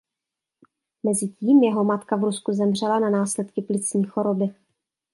Mezitím jeho matka v Rusku zemřela na následky plicní choroby.